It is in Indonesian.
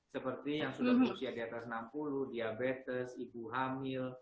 seperti yang sudah berusia di atas enam puluh diabetes ibu hamil